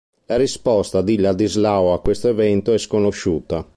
La risposta di Ladislao a questo evento è sconosciuta.